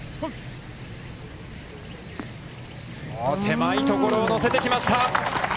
狭いところを乗せてきました。